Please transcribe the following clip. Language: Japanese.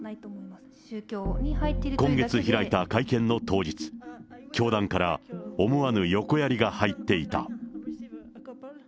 今月開いた会見の当日、教団から思わぬ横やりが入っていた。